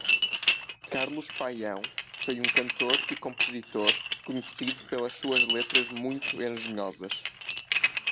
Carlos Paião foi um cantor e compositor, conhecido pelas suas letras muito engenhosas.